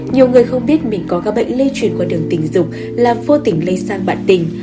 nhiều người không biết mình có các bệnh lây truyền qua đường tình dục là vô tình lây sang bạn tình